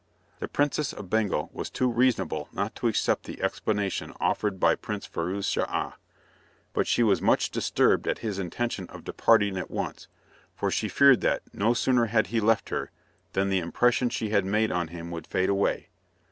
The Princess of Bengal was too reasonable not to accept the explanation offered by Prince Firouz Schah, but she was much disturbed at his intention of departing at once, for she feared that, no sooner had he left her, than the impression she had made on him would fade away.